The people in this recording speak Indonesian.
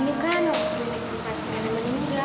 ini kan waktu ini tempat mbak mbak meninggal